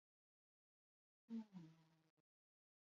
Oso kontu teknikoa da eta jendeak ez du ulertzen zergatik eta zertarako.